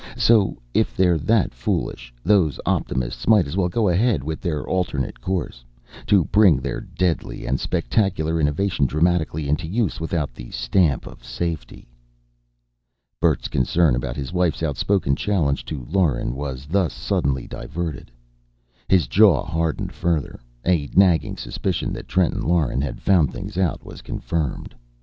So, if they're that foolish, those optimists might as well go ahead with their alternate course: To bring their deadly and spectacular innovation dramatically into use without the stamp of safety!" Bert's concern about his wife's outspoken challenge to Lauren was thus suddenly diverted. His jaw hardened further. A nagging suspicion that Trenton Lauren had found things out, was confirmed.